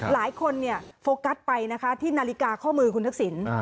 หลายคนโฟกัสไปนะคะที่นาฬิกาข้อมือคุณทักษิณ